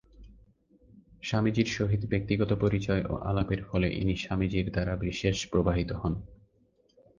স্বামীজীর সহিত ব্যক্তিগত পরিচয় ও আলাপের ফলে ইনি স্বামীজীর দ্বারা বিশেষ প্রভাবিত হন।